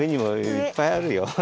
いっぱいある。